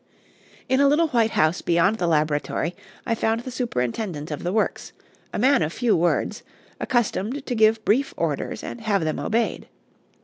In a little white house beyond the laboratory I found the superintendent of the works, a man of few words, accustomed to give brief orders and have them obeyed.